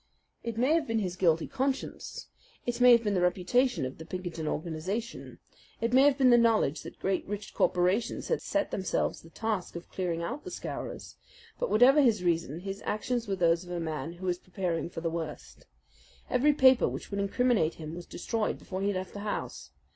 It may have been his guilty conscience, it may have been the reputation of the Pinkerton organization, it may have been the knowledge that great, rich corporations had set themselves the task of clearing out the Scowrers; but, whatever his reason, his actions were those of a man who is preparing for the worst. Every paper which would incriminate him was destroyed before he left the house.